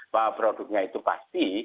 bahwa produknya itu pasti